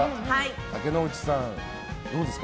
竹野内さん、どうですか？